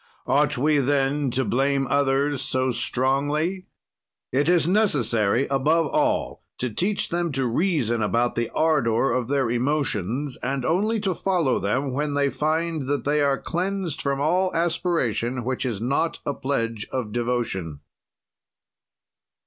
"Ought we then to blame others so strongly? "It is necessary, above all, to teach them to reason about the ardor of their emotions, and only to follow them when they find that they are cleansed from all aspiration which is not a pledge of devotion."